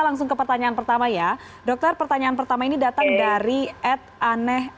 langsung ke pertanyaan pertama ya dokter pertanyaan pertama ini datang dari ed aneh